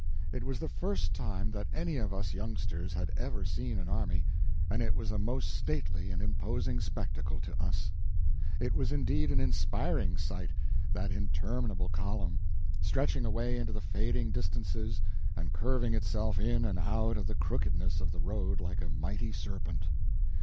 It was the first time that any of us youngsters had ever seen an army, and it was a most stately and imposing spectacle to us. It was indeed an inspiring sight, that interminable column, stretching away into the fading distances, and curving itself in and out of the crookedness of the road like a mighty serpent.